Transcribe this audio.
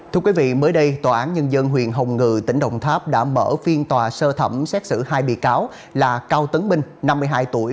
thưa quý vị mới đây tòa án nhân dân huyện hồng ngự tỉnh đồng tháp đã mở phiên tòa sơ thẩm xét xử hai bị cáo là cao tấn minh năm mươi hai tuổi